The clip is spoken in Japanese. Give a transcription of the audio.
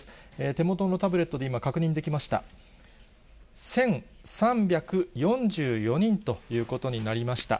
手元のタブレットで今、確認できました。